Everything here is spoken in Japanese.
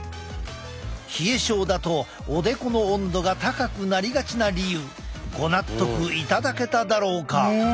冷え症だとおでこの温度が高くなりがちな理由ご納得いただけただろうか。